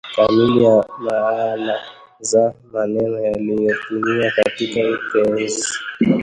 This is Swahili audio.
kamili ya maana za maneno yaliyotumiwa katika utenzi